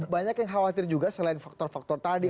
banyak yang khawatir juga selain faktor faktor tadi